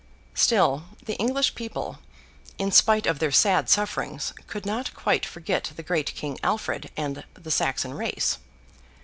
Still, the English people, in spite of their sad sufferings, could not quite forget the great King Alfred and the Saxon race.